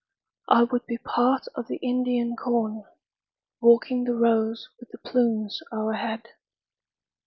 I would be part of the Indian corn, Walking the rows with the plumes o'erhead.